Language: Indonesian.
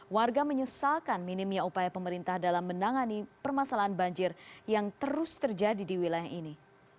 warga menyesalkan minimnya upaya pemerintah dalam menangani permasalahan banjir yang terus terjadi di wilayah ini